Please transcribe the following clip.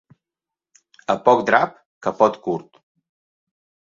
A poc drap, capot curt.